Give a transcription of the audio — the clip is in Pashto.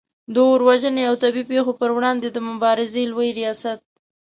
د اور وژنې او طبعې پیښو پر وړاندې د مبارزې لوي ریاست